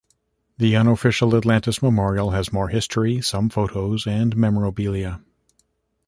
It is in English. The Unofficial Atlantis Memorial has more history, some photos, and memorabilia.